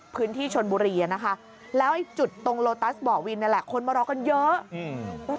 พื้นที่ชนบุรีนะคะแล้วจุดตรงโลตัสบ่อวินคนมารอกันเยอะ